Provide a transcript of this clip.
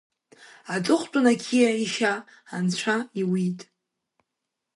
Аҵыхәтәан, ақьиа ишьа Анцәа иуит!